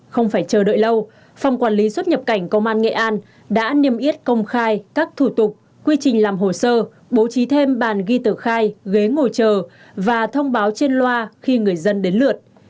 không phải chờ đợi lâu phòng quản lý xuất nhập cảnh công an nghệ an đã niêm yết công khai các thủ tục quy trình làm hồ sơ bố trí thêm bàn ghi tờ khai ghế ngồi chờ và thông báo trên loa khi người dân đến lượt